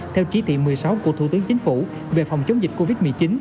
theo chỉ thị một mươi sáu của thủ tướng chính phủ về phòng chống dịch covid một mươi chín